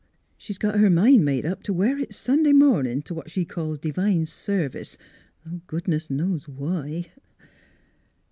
She's got her mind made up t' wear it Sun day mornin' t' what she calls d'vine service, though goodness knows why."